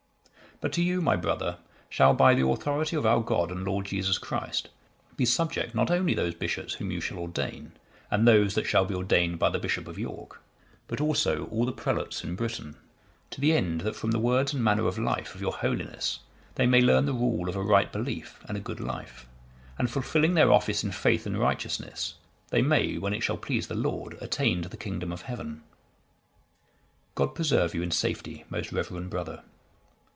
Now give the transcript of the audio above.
"But to you, my brother, shall, by the authority of our God and Lord Jesus Christ, be subject not only those bishops whom you shall ordain, and those that shall be ordained by the bishop of York, but also all the prelates in Britain; to the end that from the words and manner of life of your Holiness they may learn the rule of a right belief and a good life, and fulfilling their office in faith and righteousness, they may, when it shall please the Lord, attain to the kingdom of Heaven. God preserve you in safety, most reverend brother.